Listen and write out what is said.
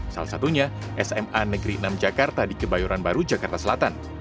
salah satunya sma negeri enam jakarta di kebayoran baru jakarta selatan